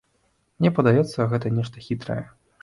Мне падаецца, гэта нешта хітрае.